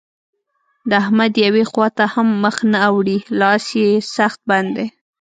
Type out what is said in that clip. د احمد يوې خوا ته هم مخ نه اوړي؛ لاس يې سخت بند دی.